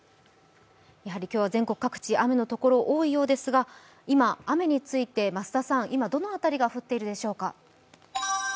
やはり今日は全国各地雨のところが多いようですが今雨について増田さんどの辺りが降っているでしょうか？